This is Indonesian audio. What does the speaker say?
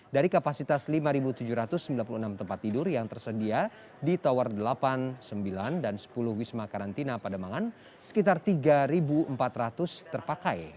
dari kapasitas lima tujuh ratus sembilan puluh enam tempat tidur yang tersedia di tower delapan sembilan dan sepuluh wisma karantina pademangan sekitar tiga empat ratus terpakai